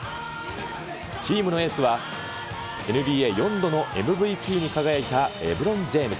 チームのエースは、ＮＢＡ４度のＭＶＰに輝いたレブロン・ジェームズ。